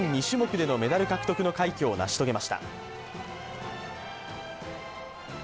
２種目でのメダル獲得の快挙を成し遂げました。